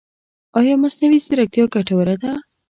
ایا مصنوعي ځیرکتیا ګټوره ده؟